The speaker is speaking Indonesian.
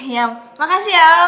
ya makasih ya om